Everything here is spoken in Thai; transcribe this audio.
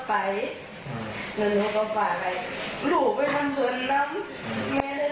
พ่อเลี้ยงลูกน่ะคุณตกหน่าคุณสมองเชื้อ